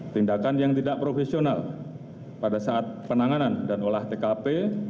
tindakan yang tidak profesional pada saat penanganan dan olah tkp